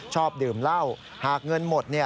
ชอบดื่มเหล้าหากเงินหมด